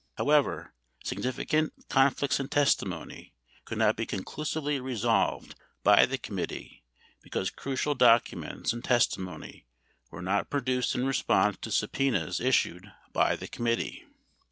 However, signifi cant conflicts in testimony could not be conclusively resolved by the committee because crucial documents and testimony were not produced in response to subpenas issued by the committee.